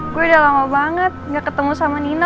gue udah lama banget gak ketemu sama nina